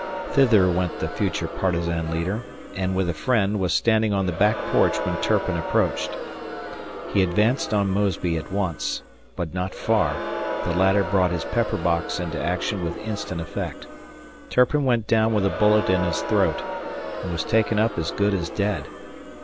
Thither went the future partisan leader, and, with a friend, was standing on the back porch when Turpin approached. He advanced on Mosby at once but not far; the latter brought his pepper box into action with instant effect. Turpin went down with a bullet in his throat, and was taken up as good as dead.